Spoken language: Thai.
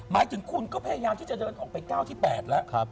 หมายถึงคุณก็พยายามที่จะเดินออกไป๙ที่๘แล้ว